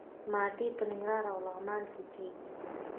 مالټې په ننګرهار او لغمان کې کیږي.